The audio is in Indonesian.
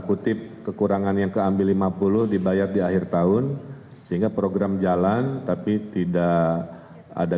kutip kekurangan yang keambil lima puluh dibayar di akhir tahun sehingga program jalan tapi tidak ada